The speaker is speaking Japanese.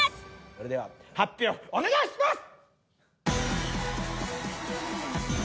それでは発表お願いします。